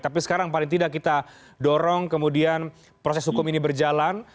tapi sekarang paling tidak kita dorong kemudian proses hukum ini berjalan